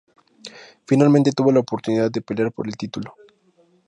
Finalmente tuvo la oportunidad de pelear por el título.